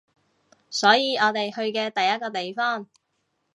所以我哋去嘅第一個地方